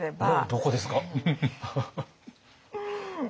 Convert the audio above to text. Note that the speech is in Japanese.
どこですか？